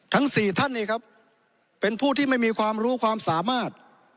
สี่ท่านนี่ครับเป็นผู้ที่ไม่มีความรู้ความสามารถ